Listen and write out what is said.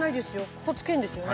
ここつけるんですよね？